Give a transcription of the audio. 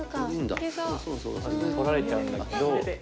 取られちゃうんだけど。